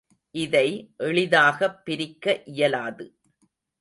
இதை எளிதாகப் பிரிக்க இயலாது.